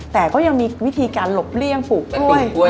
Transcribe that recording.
แต่ก็ยังมีวิธีการหลบเลี่ยงปลูกกล้วย